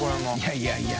いやいや。